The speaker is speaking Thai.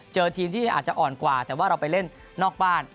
เจอทีมที่อาจจะอ่อนกว่าแต่ว่าเราไปเล่นนอกบ้าน